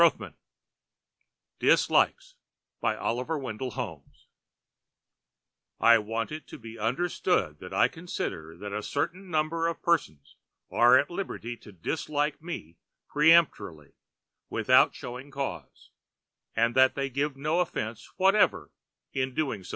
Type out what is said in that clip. [Pg 536] DISLIKES BY OLIVER WENDELL HOLMES I want it to be understood that I consider that a certain number of persons are at liberty to dislike me peremptorily, without showing cause, and that they give no offense whatever in so doing.